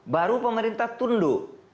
baru pemerintah tunduk